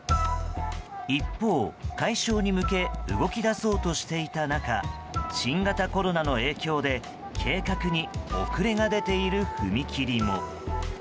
一方、解消に向け動き出そうとしていた中新型コロナの影響で計画に遅れが出ている踏切も。